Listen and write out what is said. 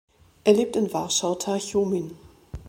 Er lebt in Warschau-Tarchomin.